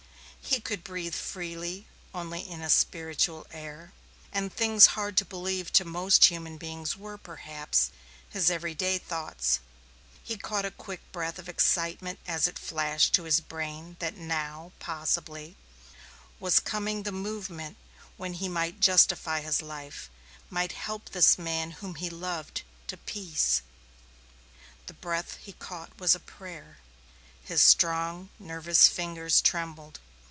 He could breathe freely only in a spiritual air, and things hard to believe to most human beings were, perhaps, his every day thoughts. He caught a quick breath of excitement as it flashed to his brain that now, possibly, was coming the moment when he might justify his life, might help this man whom he loved, to peace. The breath he caught was a prayer; his strong, nervous fingers trembled.